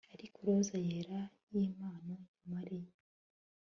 Ariko roza yera yimpano ya Mariya